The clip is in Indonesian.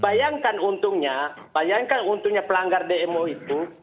bayangkan untungnya bayangkan untungnya pelanggar dmo itu